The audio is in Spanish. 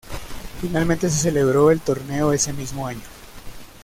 Finalmente se celebró el torneo ese mismo año.